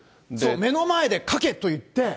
目の前で書けと言って。